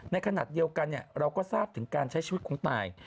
ในขณะเดียวกันเราก็ทราบถึงการใช้ชีวิตของตาย